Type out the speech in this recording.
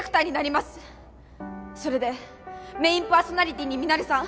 それでメインパーソナリティーにミナレさん